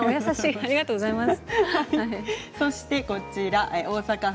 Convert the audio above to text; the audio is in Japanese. ありがとうございます。